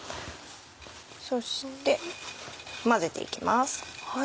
そして混ぜて行きます。